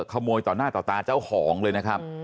ขโมยต่อหน้าต่อตาเจ้าของเลยนะครับ